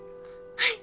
はい！